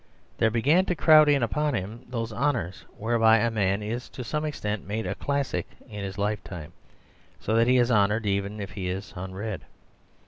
There began to crowd in upon him those honours whereby a man is to some extent made a classic in his lifetime, so that he is honoured even if he is unread.